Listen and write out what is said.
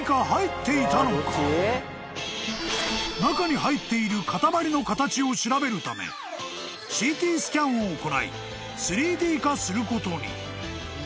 ［中に入っている塊の形を調べるためＣＴスキャンを行い３Ｄ化することに］